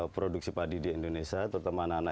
produksi padi di indonesia terutama anak anak